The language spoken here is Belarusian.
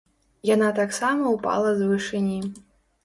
Яна таксама ўпала з вышыні.